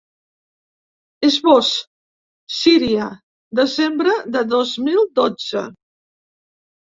Esbós: Síria, desembre del dos mil dotze.